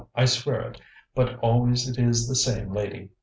I swear it! But always it is the same lady.